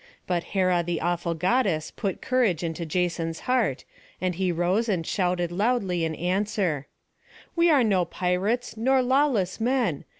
But Hera the awful goddess put courage into Jason's heart, and he rose and shouted loudly in answer: "We are no pirates, nor lawless men.